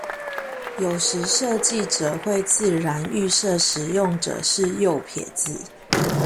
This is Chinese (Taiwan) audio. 有時設計者會自然預設使用者是右撇子